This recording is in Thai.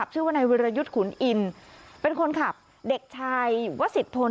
ชื่อว่านายวิรยุทธ์ขุนอินเป็นคนขับเด็กชายวสิทธน